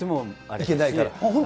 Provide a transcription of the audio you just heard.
いけないから。